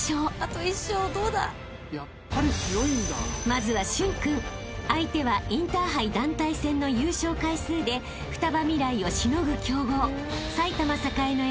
［まずは駿君相手はインターハイ団体戦の優勝回数でふたば未来をしのぐ強豪］